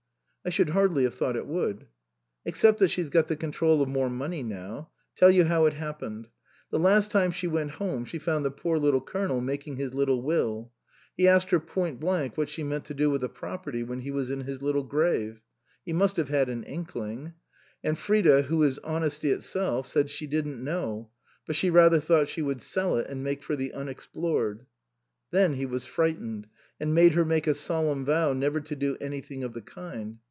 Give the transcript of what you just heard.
" I should hardly have thought it would." " Except that she's got the control of more money now. Tell you how it happened. The last time she went home she found the poor little Colonel making his little will. He asked her point blank what she meant to do with the property when he was in his little grave. He must have had an inkling. And Frida, who is honesty itself, said she didn't know, but she rather thought she would sell it and make for the unexplored. Then he was frightened, and made her make a solemn vow never to do any thing of the kind.